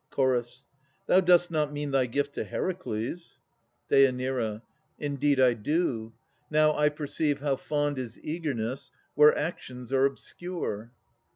CH. Thou dost not mean thy gift to Heracles? DÊ. Indeed I do. Now I perceive how fond Is eagerness, where actions are obscure.